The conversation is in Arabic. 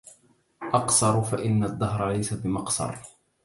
أقصر فإن الدهر ليس بمقصر